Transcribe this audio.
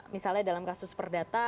misalnya dalam kasus perdata